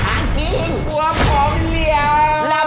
กลัวผงเหลียว